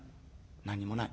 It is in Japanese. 「何もない」。